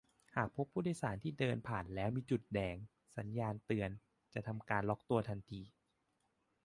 "หากพบผู้โดยสารที่เดินผ่านแล้วมีจุดแดง สัญญาณเตือน จะทำการล็อคตัวทันที"